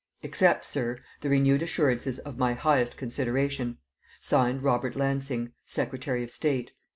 "Accept, sir, the renewed assurances of my highest consideration. "(Signed), ROBERT LANSING, "Secretary of State."